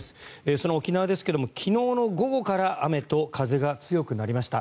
その沖縄ですが昨日の午後から雨と風が強くなりました。